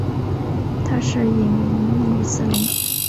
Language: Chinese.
他是一名穆斯林。